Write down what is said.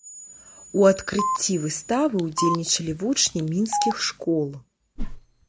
У адкрыцці выставы ўдзельнічалі вучні мінскіх школ.